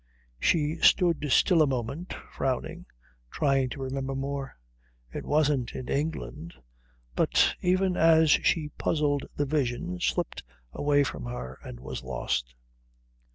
She stood still a moment, frowning, trying to remember more; it wasn't in England.... But even as she puzzled the vision slipped away from her and was lost.